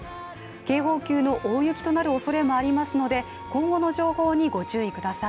警報級の大雪となるおそれもありますので今後の情報にご注意ください。